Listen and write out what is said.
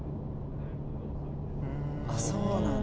うんそうなんだ。